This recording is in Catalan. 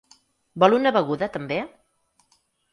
Vol una beguda també?